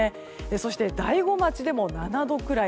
そして、大子町でも７度くらい。